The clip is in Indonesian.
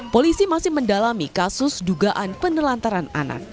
polisi masih mendalami kasus dugaan penelantaran anak